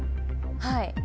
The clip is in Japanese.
はい。